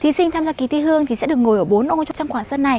thí sinh tham gia kỳ thi hương thì sẽ được ngồi ở bốn ô trong khoảng sân này